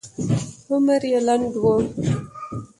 عمر یې لنډ و.